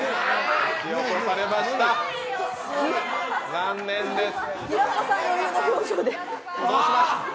残念です。